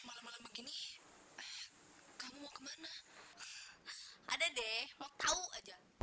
malam malam begini kamu mau kemana ada deh mau tahu aja